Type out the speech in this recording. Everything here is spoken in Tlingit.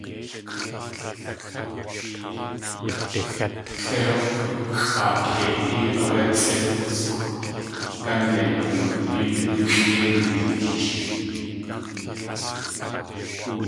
Tléik̲w xʼaakeidí áwé tsʼítskw gánde nagoodí tóoxʼ yéi nateech.